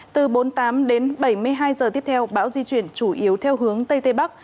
từ bốn mươi tám đến bảy mươi hai giờ tiếp theo bão di chuyển chủ yếu theo hướng tây tây bắc